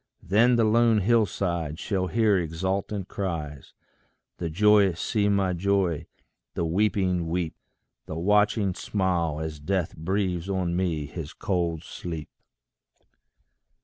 Then The lone hill side shall hear exultant cries; The joyous see me joy, the weeping weep; The watching smile, as Death breathes on me his cold sleep.